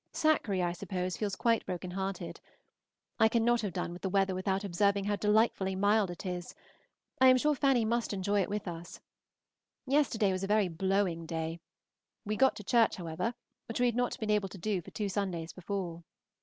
Sackree, I suppose, feels quite broken hearted. I cannot have done with the weather without observing how delightfully mild it is; I am sure Fanny must enjoy it with us. Yesterday was a very blowing day; we got to church, however, which we had not been able to do for two Sundays before.